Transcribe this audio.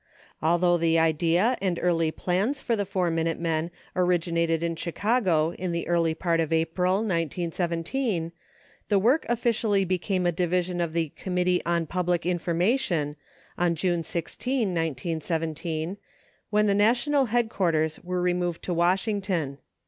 Although the idea and early plans for the Four Min ute Men originated in Chicago in the early part of April, 1917, the work officially became a division of the Committee on Public Information, on June 16, 1917, when the national headquarters were removed to Wash ington.